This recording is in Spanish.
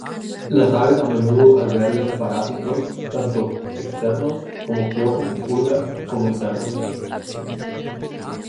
Las aves a menudo albergan parásitos, tanto externos, como piojos y pulgas, como internos.